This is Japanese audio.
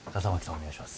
お願いします。